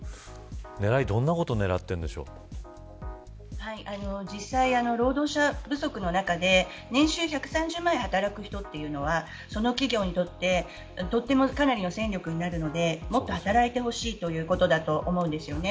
どんなことを実際、労働者不足の中で年収１３０万円働く人というのはその企業にとってかなりの戦力になるのでもっと働いてほしいということだと思うんですよね。